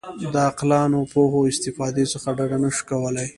د عقلاني پوهو استفادې څخه ډډه نه شو کولای.